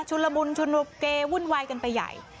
ชุนละบุญชุนลุบเกย์วุ่นวายกันไปใหญ่